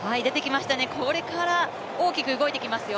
これから大きく動いてきますよ。